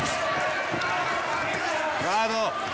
ガード！